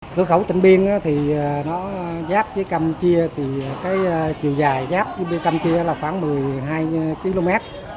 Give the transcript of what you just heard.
cửa khẩu tỉnh biên thì nó giáp với căm chia thì cái chiều dài giáp với biên căm chia là khoảng một mươi hai km